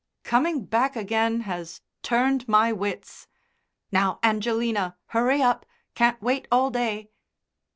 "Coming back again has turned my wits.... Now, Angelina, hurry up, can't wait all day."